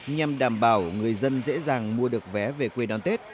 nhằm đảm bảo người dân dễ dàng mua được vé về quê đón tết